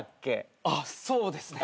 あっそうですね。